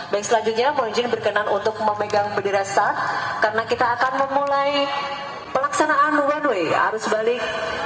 baik selanjutnya bonjeng berkenan untuk memegang bendera start karena kita akan memulai pelaksanaan one way arus balik